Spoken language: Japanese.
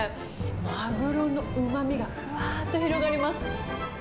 マグロのうまみがふわーっと広がります。